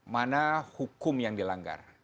mana hukum yang dilanggar